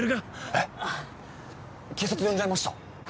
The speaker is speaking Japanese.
えっ警察呼んじゃいました。